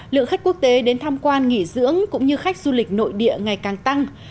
lượng khách quốc tế đến tham quan nghỉ dưỡng cũng như khách du lịch nội địa ngày càng tăng